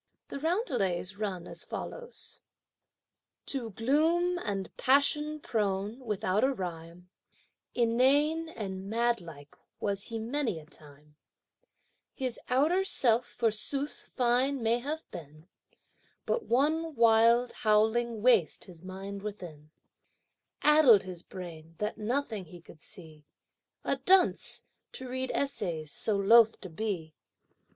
The roundelays run as follows: To gloom and passion prone, without a rhyme, Inane and madlike was he many a time, His outer self, forsooth, fine may have been, But one wild, howling waste his mind within: Addled his brain that nothing he could see; A dunce! to read essays so loth to be!